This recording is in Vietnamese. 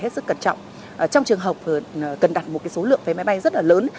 cái sự cẩn trọng trong trường hợp cần đặt một cái số lượng vé máy bay rất là lớn